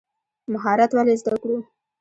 مهارت ولې زده کړو؟